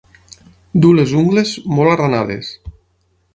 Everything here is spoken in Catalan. Dur les ungles molt arranades.